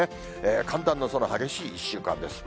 寒暖の差の激しい１週間です。